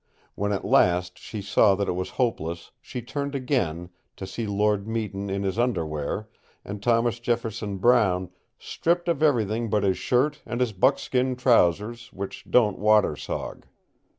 When at last she saw that it was hopeless, she turned again, to see Lord Meton in his underwear, and Thomas Jefferson Brown stripped of everything but his shirt and his buckskin trousers, which don't water sog.